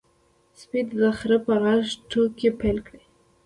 سپي د خره په غږ ټوکې پیل کړې.